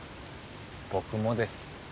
僕もです。